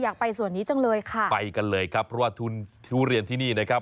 อยากไปส่วนนี้จังเลยค่ะไปกันเลยครับเพราะว่าทุนทุเรียนที่นี่นะครับ